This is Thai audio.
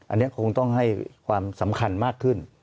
อันนี้คงต้องให้ความสำคัญมากขึ้น